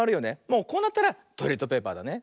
もうこうなったらトイレットペーパーだね。